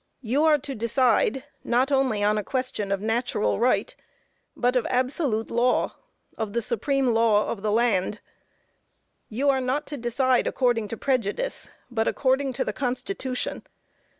You are to decide, not only on a question of natural right, but of absolute law, of the supreme law of the land. You are not to decide according to prejudice, but according to the constitution.